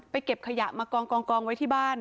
เก็บขยะมากองไว้ที่บ้าน